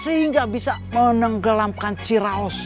sehingga bisa menenggelamkan ciraus